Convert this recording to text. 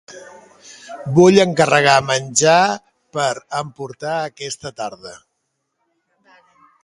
Vull encarregar menjar per emportar aquesta tarda.